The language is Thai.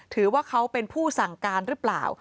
ถือว่าเขาเป็นผู้สั่งการหรือเปล่า